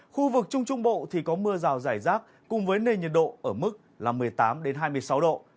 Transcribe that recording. khu vực trung trung bộ thì có mưa rào rải rác cùng với nền nhiệt độ ở mức là một mươi tám hai mươi sáu độ